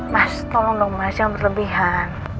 mas tolong dong mas yang berlebihan